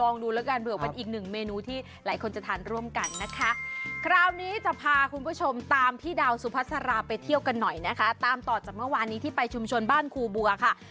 นี่เป็นมาตราก่อนจากเมื่อวานที่ไปชุมชนบ้านครูบัวค่ะ